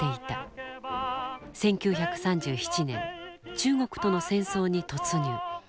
１９３７年中国との戦争に突入。